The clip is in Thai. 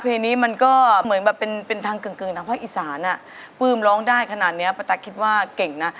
เพลงนี้มันก็เหมือนแบบเป็นทางกึ่งทางภาคอีสานอ่ะปลื้มร้องได้ขนาดเนี้ยป้าตั๊กคิดว่าเก่งนะ